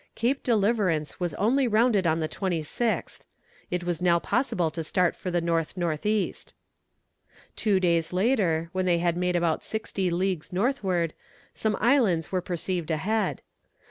Cape Deliverance was only rounded on the 26th. It was now possible to start for the north north east. Two days later, when they had made about sixty leagues northward, some islands were perceived ahead.